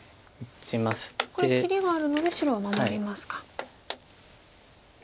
これ切りがあるので白は守りますか。